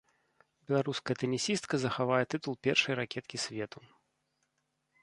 Беларуская тэнісістка захавае тытул першай ракеткі свету.